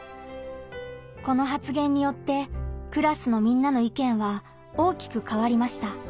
この発言によってクラスのみんなの意見は大きく変わりました。